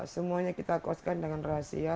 semuanya kita koskan dengan rahasia